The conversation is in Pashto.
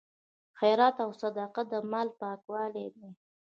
خیرات او صدقه د مال پاکوالی دی.